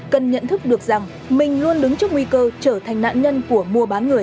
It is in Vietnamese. cần nhận thức được rằng mình luôn đứng trước nguy cơ trở thành nạn nhân của mua bán người